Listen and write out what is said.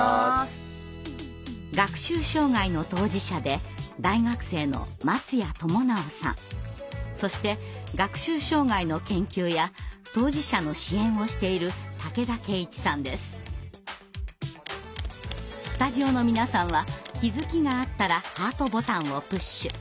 学習障害の当事者でそして学習障害の研究や当事者の支援をしているスタジオの皆さんは気づきがあったらハートボタンをプッシュ。